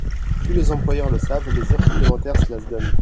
Tous les employeurs le savent, les heures supplémentaires, cela se donne.